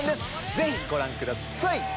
ぜひご覧ください！